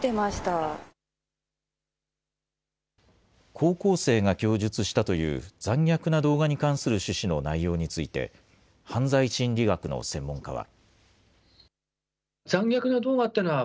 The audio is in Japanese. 高校生が供述したという、残虐な動画に関する趣旨の内容について、犯罪心理学の専門家は。